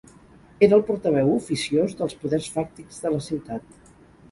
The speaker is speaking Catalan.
Era el portaveu oficiós dels poders fàctics de la ciutat.